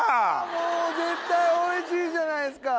もう絶対おいしいじゃないですか。